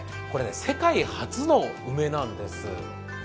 これ世界初の梅なんです。